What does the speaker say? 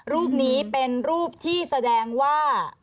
รูปนี้เป็นรูปที่แสดงว่า